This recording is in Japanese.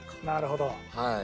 なるほど。